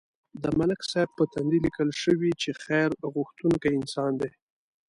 د ملک صاحب په تندي لیکل شوي چې خیر غوښتونکی انسان دی.